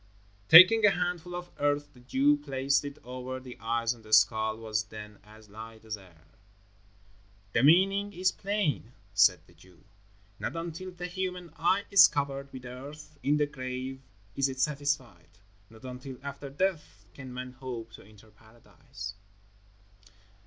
Taking a handfull of earth the Jew placed it over the eyes and the skull was then as light as air. "The meaning is plain," said the Jew. "Not until the human eye is covered with earth in the grave is it satisfied. Not until after death can man hope to enter Paradise."